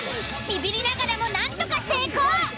ビビりながらも何とか成功。